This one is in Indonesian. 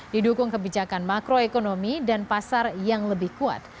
didukung kebijakan makroekonomi dan pasar yang lebih kuat